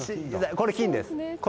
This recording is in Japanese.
これ、金です。